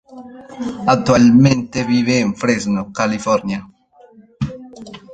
Actualmente vive en Fresno, California.